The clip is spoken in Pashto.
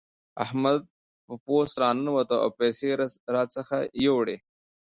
احمد په پوست راننوت او پيسې راڅخه يوړې.